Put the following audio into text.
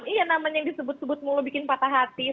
iya namanya yang disebut sebut mulu bikin patah hati